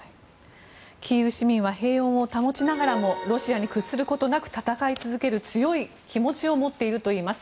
キーウ市民は平穏を保ちながらもロシアに屈することなく戦う強い気持ちを持っているといいます。